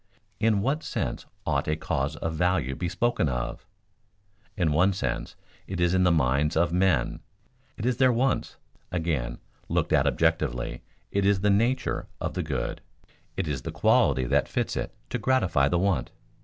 In what sense ought a cause of value be spoken of? In one sense it is in the minds of men it is their wants; again, looked at objectively it is in the nature of the good it is the quality that fits it to gratify the want.